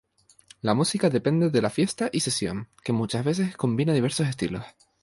La música depende de la fiesta y sesión, que muchas veces combina diversos estilos.